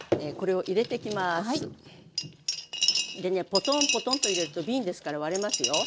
ポトンポトンと入れると瓶ですから割れますよ。